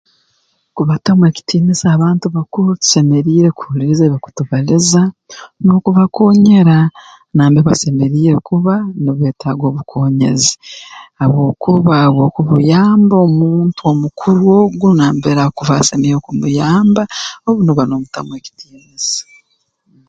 Kubatamu ekitiinisa abantu bakuru tusemeriire kuhuliiriza ebi bakutubaliza n'okubakoonyera nambere basemeriire kuba nibetaaga obukoonyezi habwokuba obu okuyamba omuntu omukuru ogu nambere akuba asemeriire kumuyamba obu nooba noomutamu ekitiinisa